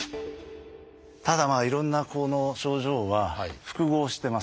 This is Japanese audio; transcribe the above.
ただいろんなこの症状は複合してます。